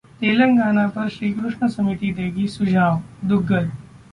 तेलंगाना पर श्रीकृष्ण समिति देगी सुझावः दुग्गल